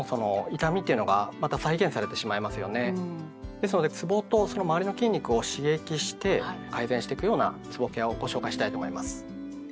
ですのでつぼとその周りの筋肉を刺激して改善していくようなつぼケアをご紹介したいと思います。